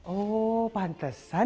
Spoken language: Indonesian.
oh pantesan ya kang